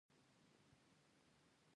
زما پلار د انساني سرچینو رییس و